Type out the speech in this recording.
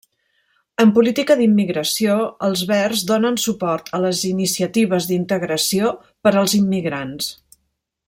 En política d'immigració, els verds donen suport a les iniciatives d'integració per als immigrants.